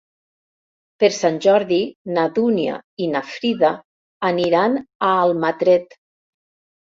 Per Sant Jordi na Dúnia i na Frida aniran a Almatret.